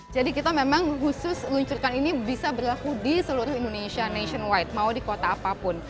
jadi kita memang khusus luncurkan ini bisa berlaku di seluruh indonesia nationwide mau di kota apapun